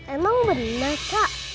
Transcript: emang bener kak